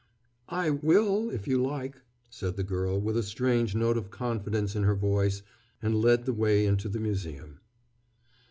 "I will, if you like," said the girl with a strange note of confidence in her voice, and led the way into the museum.